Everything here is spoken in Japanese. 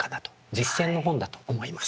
実践の本だと思います。